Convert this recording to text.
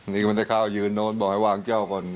ค้าก็แค่เขายืนต้นบอกให้วางเจ้าก่อน